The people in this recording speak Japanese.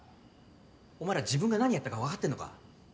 お前ら自分が何やったか分かってんのか？